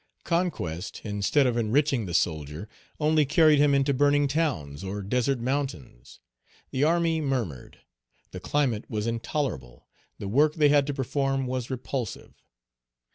Conquest, instead of enriching the soldier, only carried him into burning towns or desert mountains. The army murmured; the climate was intolerable; the work they had to perform was repulsive.